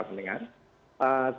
bapak ibu terima kasih